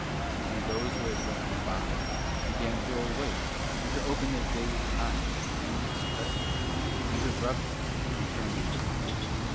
And those who had drunken bak began to awake and to open their dazzled eyes at the amethyst precipice and to rub them and turn them away.